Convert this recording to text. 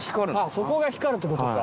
そこが光るってことか。